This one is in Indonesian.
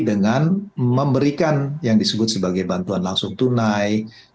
dengan memberikan yang disebut sebagai bantuan langsung tunai